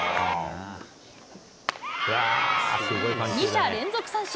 ２者連続三振。